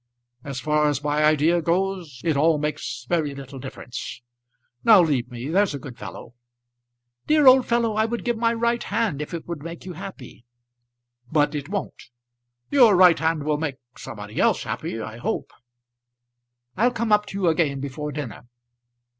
As far as my idea goes, it all makes very little difference. Now leave me; there's a good fellow." "Dear old fellow, I would give my right hand if it would make you happy!" "But it won't. Your right hand will make somebody else happy, I hope." "I'll come up to you again before dinner."